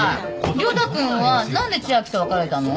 涼太君は何で千明と別れたの？